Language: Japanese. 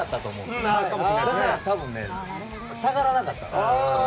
だから多分下がらなかったんですよ。